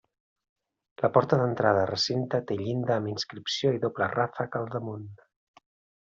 La porta d'entrada a recinte té llinda amb inscripció i doble ràfec al damunt.